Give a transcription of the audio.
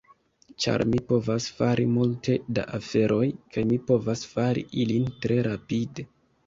ĉar mi povas fari multe da aferoj, kaj mi povas fari ilin tre rapide